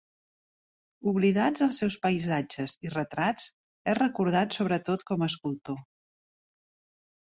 Oblidats els seus paisatges i retrats, és recordat sobretot com a escultor.